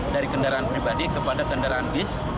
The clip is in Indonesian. dari kendaraan pribadi kepada kendaraan bis